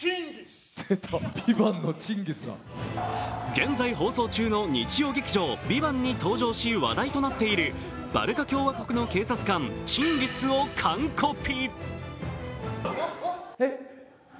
現在放送中の日曜劇場「ＶＩＶＡＮＴ」に登場し話題となっているバルカ共和国の警察官チンギスを完コピ。